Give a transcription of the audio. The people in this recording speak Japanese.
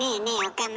岡村。